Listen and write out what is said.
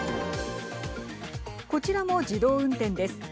こちらも自動運転です。